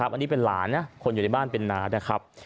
อันนี้เป็นหลานคนอยู่ในบ้านเป็นนา